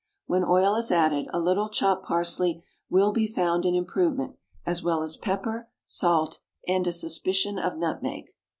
When oil is added, a little chopped parsley will be found an improvement, as well as pepper, salt, and a suspicion of nutmeg.